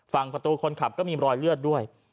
ฝั่งประตูคนขับก็มีรอยเลือดด้วย